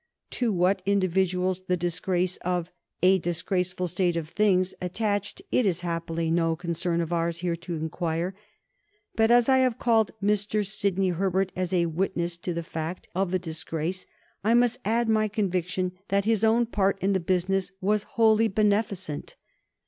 To what individuals the disgrace of "a disgraceful state of things" attached, it is happily no concern of ours here to inquire. But as I have called Mr. Sidney Herbert as a witness to the fact of the disgrace, I must add my conviction that his own part in the business was wholly beneficent.